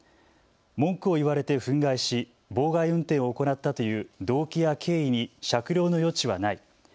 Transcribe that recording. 文句を言われて憤慨し妨害運転を行ったという動機や経緯に酌量の余地はない。